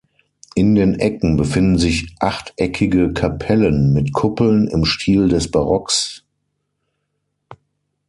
In den Ecken befinden sich achteckige Kapellen mit Kuppeln im Stil des Barocks.